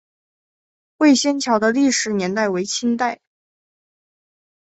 会仙桥的历史年代为清代。